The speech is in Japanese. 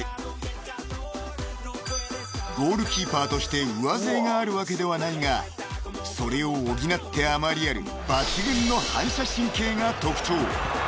［ゴールキーパーとして上背があるわけではないがそれを補って余りある］